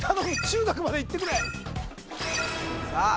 中学まで行ってくれさあ！